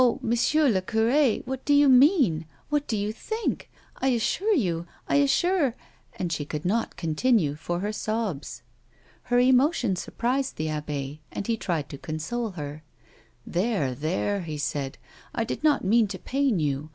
monsieur le cure, what do you mean 1 What do you think? I assure you — I assure —" and she could not continue for her sobs. Her emotion surprised the abbe, and he tried to console her. A WOMAN'S LIFE. " There, there," he said ;" I did not mean to pain you.